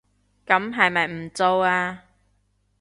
噉係咪唔做吖